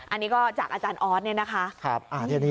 อันนี้ก็จากอาจารย์อ๊อส